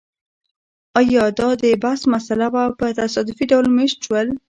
ایا دا د بخت مسئله وه او په تصادفي ډول مېشت شول